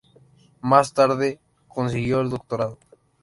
Más tarde, consiguió el doctorado.